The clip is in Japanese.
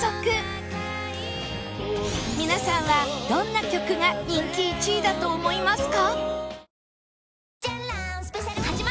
皆さんはどんな曲が人気１位だと思いますか？